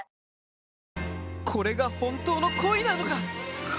これが本当の恋なのか？